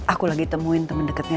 aku lagi temuin temen deketnya